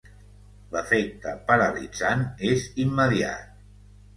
L'efecte paralitzant és immediat.